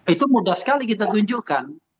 itu mudah sekali kita tunjukkan